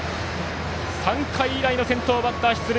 ３回以来の先頭バッター出塁！